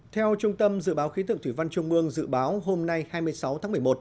theo trung tâm dự báo khí tượng thủy văn trung ương dự báo hôm nay hai mươi sáu tháng một mươi một